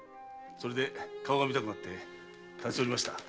それで顔が見たくなって立ち寄りました。